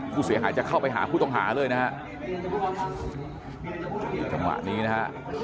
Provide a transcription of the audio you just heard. ผู้เสียหายจะเข้าไปหาผู้ต้องหาเลยนะฮะจังหวะนี้นะฮะ